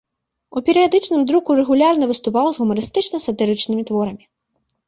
У перыядычным друку рэгулярна выступаў з гумарыстычна-сатырычнымі творамі.